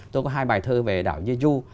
tôi có hai bài thơ về đảo jeju